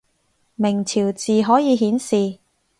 明朝字可以顯示